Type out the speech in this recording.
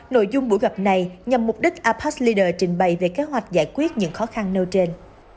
nội dung buổi gặp này nhằm mục đích apas leaders trình bày về kế hoạch giải quyết những khó khăn nâu trên